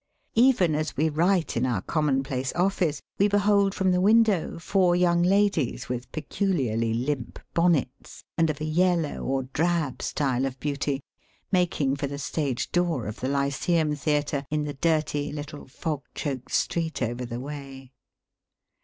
Even as we write in our com mon place office, we behold from the window, four }roung ladies with peculiarly limp bonnets, and of a yellow or drab style of beauty, making for the stage door of the Ly ceum Theatre, in the dirty little fog choked street over the way.